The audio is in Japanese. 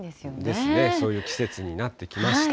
ですね、そういう季節になってきました。